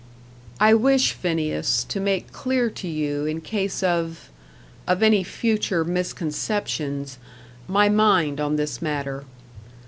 "I wish, Phineas, to make clear to you, in case of of any future misconceptions my mind on this matter.